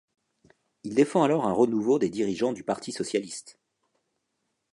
Il défend alors un renouveau des dirigeants du parti socialiste.